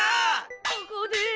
ここです。